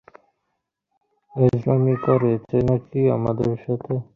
ফাইজলামি করছে নাকি আমাদের সাথে?